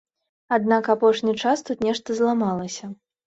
Аднак апошні час тут нешта зламалася.